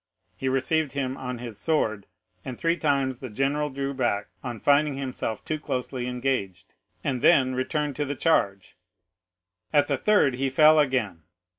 He received him on his sword and three times the general drew back on finding himself too closely engaged, and then returned to the charge. At the third he fell again.